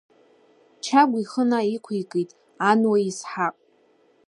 Чагә ихы наиқәикит Ануа Иысҳаҟ.